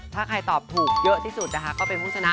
ถ้าใครตอบถูกเยอะที่สุดนะคะก็เป็นผู้ชนะ